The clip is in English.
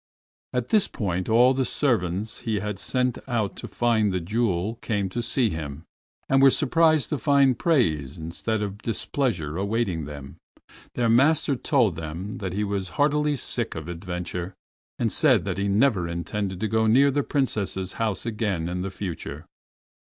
At this point all the servants he had sent out to find the jewel came to see him, and were surprised to find praise instead of displeasure awaiting them. Their master told them that he was heartily sick of adventure, and said that he never intended to go near the Princess's house again in the future.